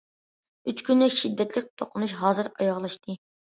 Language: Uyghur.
ئۈچ كۈنلۈك شىددەتلىك توقۇنۇش ھازىر ئاياغلاشتى.